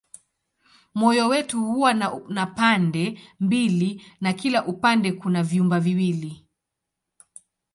Moyo wetu huwa na pande mbili na kila upande kuna vyumba viwili.